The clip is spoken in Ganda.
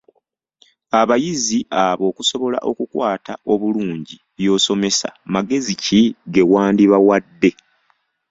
Abayizi abo okusobola okukwata obulungi by'obasomesa, magezi ki ge wandibawadde?